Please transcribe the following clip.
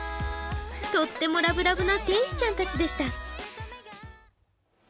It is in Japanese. とってもラブラブな天使ちゃんたちでした。